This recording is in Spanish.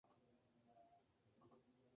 Fue su primera gran victoria como profesional.